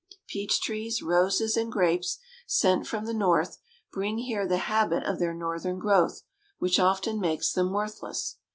Peach trees, roses, and grapes, sent from the North, bring here the habit of their Northern growth, which often makes them worthless.